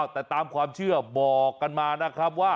แต่ตามความเชื่อบอกกันมานะครับว่า